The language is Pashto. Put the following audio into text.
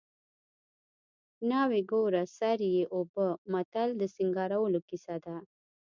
ناوې ګوره سر یې اوبه متل د سینګارولو کیسه ده